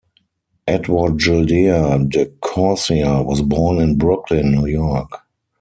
Edward Gildea De Corsia was born in Brooklyn, New York.